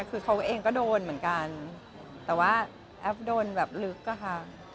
คือเขาเองก็โดนเหมือนกันแต่ว่าแอปโดนแบบลึกอะค่ะ